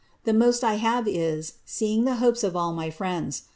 the moft I have if, leeing the hopes of all my friends.